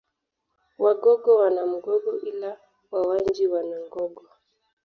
Wagogo wana Mgogo ila Wawanji wana Ngogo